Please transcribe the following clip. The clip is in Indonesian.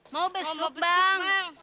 mau besuk bang